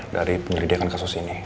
dari penyediakan kasus ini